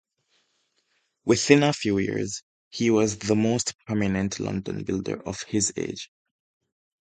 Within a few years he was "the most prominent London builder of his age".